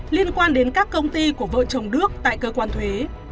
liên quan đến các công ty của vợ chồng đức tại cơ quan thuế